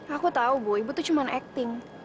aku tahu bahwa ibu tuh cuma acting